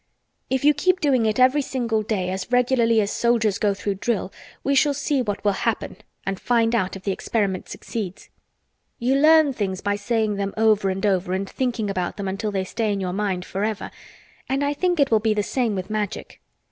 "If you keep doing it every day as regularly as soldiers go through drill we shall see what will happen and find out if the experiment succeeds. You learn things by saying them over and over and thinking about them until they stay in your mind forever and I think it will be the same with Magic.